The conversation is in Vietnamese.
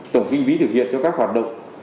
tổng kinh phí thực hiện cho các hoạt động